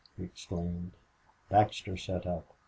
he exclaimed. Baxter sat up.